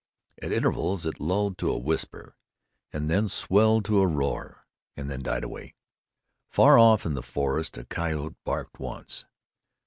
At intervals it lulled to a whisper, and then swelled to a roar, and then died away. Far off in the forest a coyote barked once.